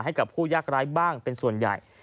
ให้กับผู้ยากร้ายบ้างเป็นส่วนใหญ่